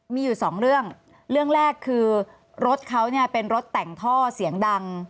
มีอยู่สองเรื่องเรื่องแรกคือรถเขาเนี่ยเป็นรถแต่งท่อเสียงดัง